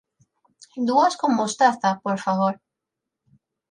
Dúas con mostaza, por favor!